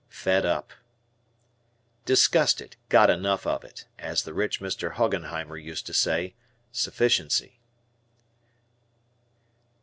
"Fed up." Disgusted; got enough of it as the rich Mr. Hoggenheimer used to say, "Sufficiency."